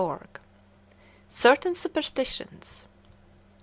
XXIV. CERTAIN SUPERSTITIONS.